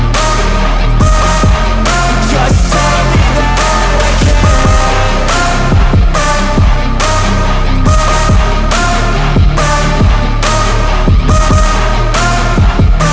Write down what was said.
kamu kenapa bisa sampai kayak gini sih